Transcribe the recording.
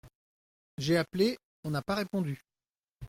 J'ai appelé, on n'a pas répondu.